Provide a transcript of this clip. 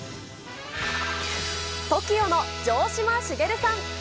ＴＯＫＩＯの城島茂さん。